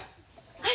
はい！